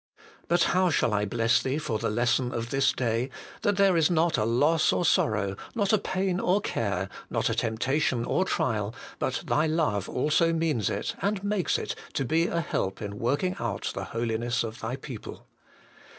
But how shall I bless Thee for the lesson of this day, that there is not a loss or sorrow, not a pain or care, not a temptation or trial, but Thy love also means it, and makes it, to be a help in working out the holiness HOLINESS AND CHASTISEMENT. 261 of Thy people.